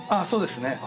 そうですね。